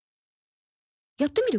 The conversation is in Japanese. やってみる？